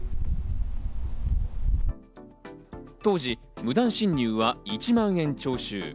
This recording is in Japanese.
当時、無断進入は１万円徴収。